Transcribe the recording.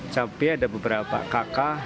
cabai ada beberapa kakak